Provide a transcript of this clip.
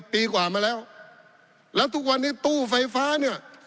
ปีกว่ามาแล้วแล้วทุกวันนี้ตู้ไฟฟ้าเนี่ย